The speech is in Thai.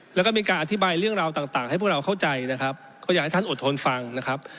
แล้วก็มีการอธิบายเรื่องราวต่างให้พวกเราเข้าใจนะครับก็อยากให้ท่านอดทนฟังนะครับ